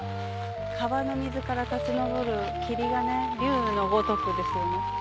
川の水から立ち上る霧が竜のごとくですよね。